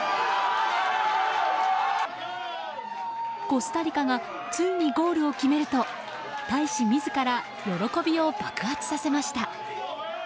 コスタリカがついにゴールを決めると大使自ら喜びを爆発させました。